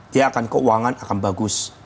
dia akan keuangan akan bagus